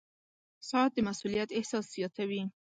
• ساعت د مسؤولیت احساس زیاتوي.